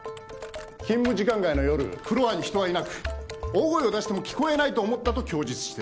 勤務時間外の夜フロアに人はいなく大声を出しても聞こえないと思ったと供述してる。